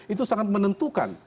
itu sangat menentukan